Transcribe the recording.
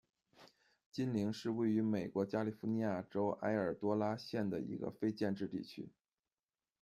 金岭是位于美国加利福尼亚州埃尔多拉多县的一个非建制地区。